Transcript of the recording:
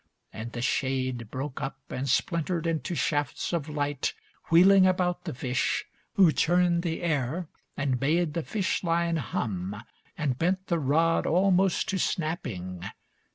And the shade Broke up and splintered into shafts of light Wheeling about the fish, who churned the air And made the fish line hum, and bent the rod Almost to snapping.